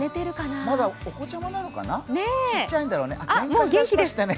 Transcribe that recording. まだお子ちゃまなのかなちっちゃいんだろうね。